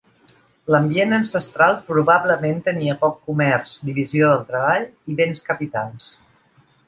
L"ambient ancestral probablement tenia poc comerç, divisió del treball i béns capitals.